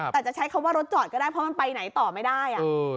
แต่จะใช้คำว่ารถจอดก็ได้เพราะมันไปไหนต่อไม่ได้